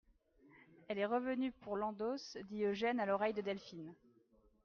Elle est revenue pour l'endos, dit Eugène à l'oreille de Delphine.